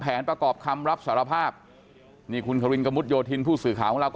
แผนประกอบคำรับสารภาพนี่คุณควินกระมุดโยธินผู้สื่อข่าวของเราก็